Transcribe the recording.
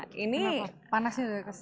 kenapa panasnya udah kerasa